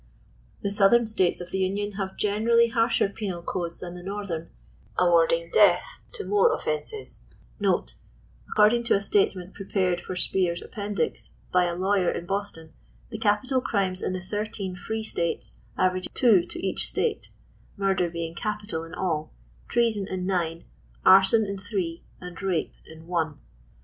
The Southern states of the Union have generally harsher penal codes than the Northern, awarding death to more ofienses ;* in * According to a statement prepared for Spear's Appendix, by a law yer in Boston, the capital crimes in the thirteen free states average two to each state ; murder being capital in all, treason in nine, arson in three and rape in one.